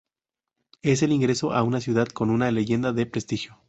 Es el ingreso a una ciudad con una leyenda de prestigio.